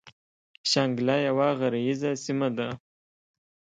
شانګله يوه غريزه سيمه ده ـ